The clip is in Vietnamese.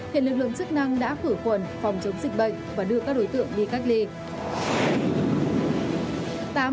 hiện lực lượng chức năng đã khử khuẩn phòng chống dịch bệnh và đưa các đối tượng đi cách ly